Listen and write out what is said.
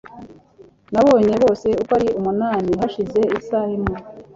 Nabonye bose uko ari umunani hashize isaha imwe.